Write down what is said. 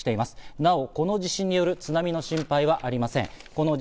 なお、この地震による津波の心配はありません。